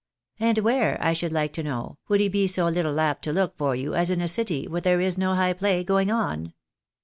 And where, I should like to know, would he be so little apt to look for you as in a city where there is no high play going on